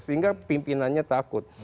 sehingga pimpinannya takut